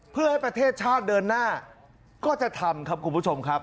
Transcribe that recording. เพื่อให้ประเทศชาติเดินหน้าก็จะทำครับคุณผู้ชมครับ